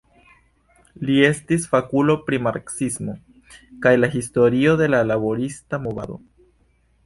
Li estis fakulo pri marksismo kaj la historio de la laborista movado.